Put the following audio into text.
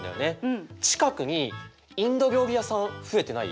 近くにインド料理屋さん増えてない？